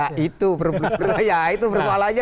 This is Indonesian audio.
nah itu sebenarnya itu persoalannya